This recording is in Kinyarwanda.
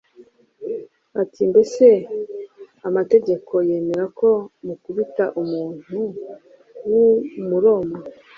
ati: ‘Mbese amategeko yemera ko mukubita umuntu w’Umuroma,